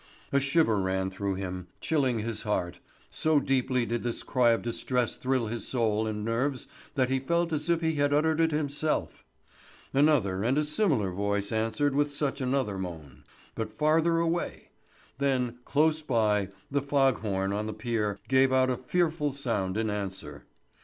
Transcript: A shiver ran through him, chilling his heart; so deeply did this cry of distress thrill his soul and nerves that he felt as if he had uttered it himself. Another and a similar voice answered with such another moan, but farther away; then, close by, the fog horn on the pier gave out a fearful sound in answer.